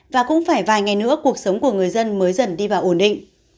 và cũng phải vài ngày nữa cuộc sống của người dân mới dần đi vào ổn định